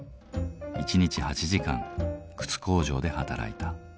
一日８時間靴工場で働いた。